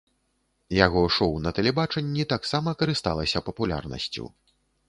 Яго шоў на тэлебачанні таксама карысталася папулярнасцю.